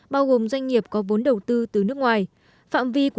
bao gồm doanh nghiệp có vốn đầu tư từ nước ngoài